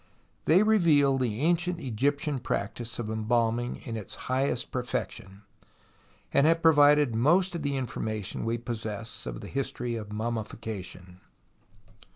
They reveal the ancient Egyptian practice of embalming in its highest perfection, and have provided most of the information we possess of the history of mummification.